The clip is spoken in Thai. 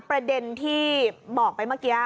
ประเด็นที่บอกไปเมื่อกี้